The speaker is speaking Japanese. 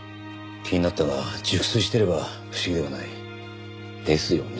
気になったが熟睡していれば不思議ではない。ですよね。